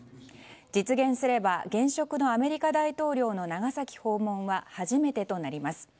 実現すれば現職のアメリカ大統領の長崎訪問は初めてとなります。